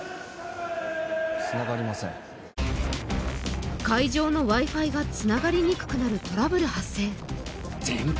つながりません会場のＷｉ−Ｆｉがつながりにくくなるトラブル発生電波